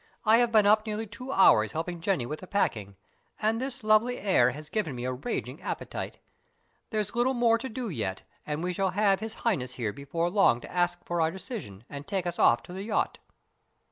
I have been up nearly two hours helping Jenny with the packing, and this lovely air has given me a raging appetite. There's a little more to do yet, and we shall have His Highness here before long to ask for our decision and take us off to the yacht."